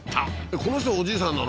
この人がおじいさんなの？